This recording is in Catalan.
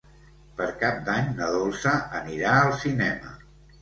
Per Cap d'Any na Dolça anirà al cinema.